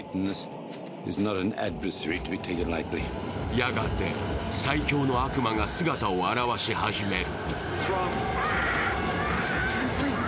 やがて最強の悪魔が姿を現し始める。